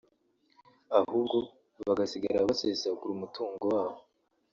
ahubwo bagasigara basesagura umutungo wabo